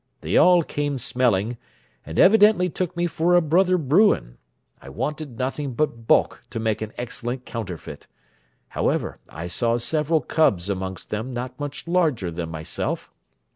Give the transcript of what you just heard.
They all came smelling, and evidently took me for a brother Bruin; I wanted nothing but bulk to make an excellent counterfeit: however, I saw several cubs amongst them not much larger than myself.